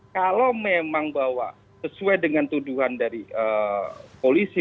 kalau memang bahwa sesuai dengan tuduhan dari polisi